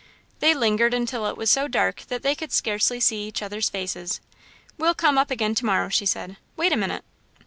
They lingered until it was so dark that they could scarcely see each other's faces. "We'll come up again to morrow," she said. "Wait a minute."